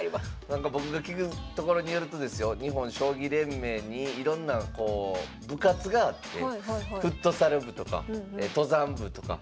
なんか僕が聞くところによるとですよ日本将棋連盟にいろんなこう部活があってフットサル部とか登山部とか。